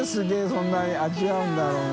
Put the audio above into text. そんなに味わうんだろうな？